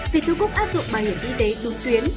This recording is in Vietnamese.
vì thu quốc áp dụng bảo hiểm y tế đúng tuyến